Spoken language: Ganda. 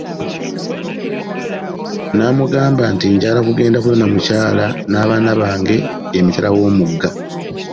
N'amugamba nti, njagala kugenda kunona mukyala n'abaana bange emitala wo'mugga .